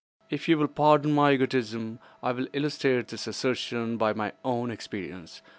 If you will pardon my egotism, I will illustrate this assertion by my own experience.